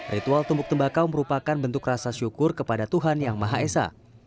ritual tumbuk tembakau merupakan bentuk rasa syukur kepada tuhan yang maha esa